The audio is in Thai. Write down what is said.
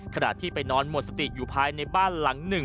ขณะที่ไปนอนหมดสติอยู่ภายในบ้านหลังหนึ่ง